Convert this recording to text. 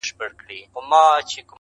حقيقت لا هم مبهم پاتې دی,